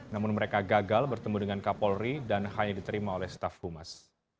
namun mereka gagal bertemu dengan kapolri dan hanya diterima oleh staff humas